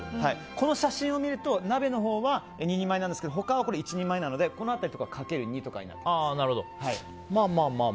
この写真を見ると鍋のほうは２人前なんですけど他は１人前なのでこの辺りは、かける２になります。